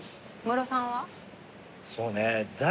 そうね。